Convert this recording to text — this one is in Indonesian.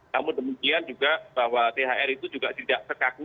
namun demikian juga bahwa thr itu juga tidak sekaku